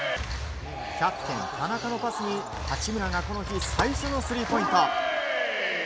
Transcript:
キャプテン、田中のパスに八村がこの日最初のスリーポイント。